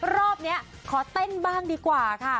รอบนี้ขอเต้นบ้างดีกว่าค่ะ